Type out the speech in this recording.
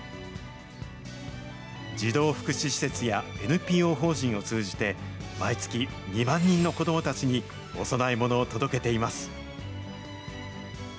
児童福祉施設やＮＰＯ法人を通じて、毎月２万人の子どもたちにお供えものを届けています。